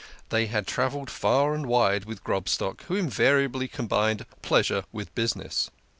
They had travelled far and wide with Grobstock, who invariably combined pleasure with business.